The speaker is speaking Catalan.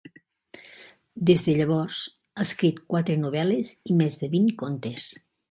Des de llavors, ha escrit quatre novel·les i més de vint contes.